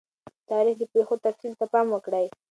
د تاریخ د پیښو تفصیل ته پام وکړئ.